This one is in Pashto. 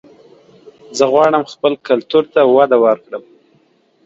زه غواړم خپل کلتور ته وده ورکړم